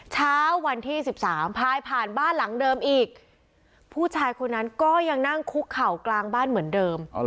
เช้าวันที่๑๓พายผ่านบ้านหลังเดิมอีกผู้ชายคนนั้นก็ยังนั่งคุกเข่ากลางบ้านเหมือนเดิม